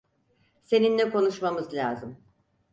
Seninle konuşmamız lazım.